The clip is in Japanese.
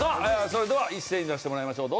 それでは一斉に出してもらいましょう。